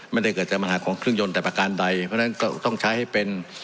ไม่ได้เกิดจากปัญหาของเครื่องยนต์แต่ประการใดเพราะฉะนั้นก็ต้องใช้ให้เป็น